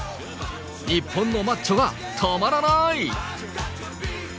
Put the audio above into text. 日本のマッチョが止まらない。